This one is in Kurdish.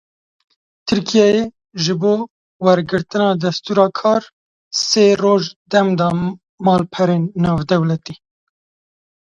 Tirkiyeyê ji bo wergirtina destûra kar sê roj dem da malperên navdewletî.